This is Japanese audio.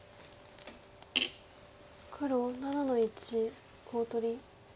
黒７の一コウ取り。